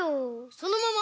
そのまま！